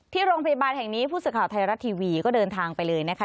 ที่โรงพยาบาลแห่งนี้ผู้สื่อข่าวไทยรัฐทีวีก็เดินทางไปเลยนะคะ